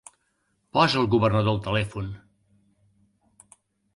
Posa el governador al telèfon!